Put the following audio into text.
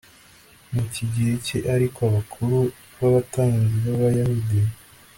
mu kigiriki ariko abakuru b abatambyi b abayahudi